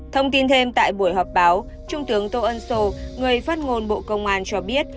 thông tin thêm tại buổi họp báo trung tướng tô ân sô người phát ngôn bộ công an cho biết